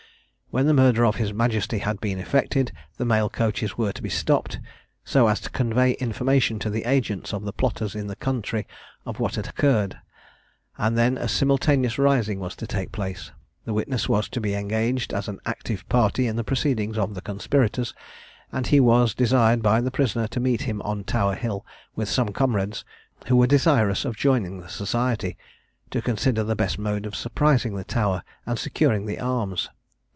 When the murder of his Majesty had been effected, the mail coaches were to be stopped, so as to convey information to the agents of the plotters in the country of what had occurred; and then a simultaneous rising was to take place. The witness was to be engaged as an active party in the proceedings of the conspirators, and he was desired by the prisoner to meet him on Tower hill, with some comrades, who were desirous of joining the society, to consider the best mode of surprising the Tower and securing the arms.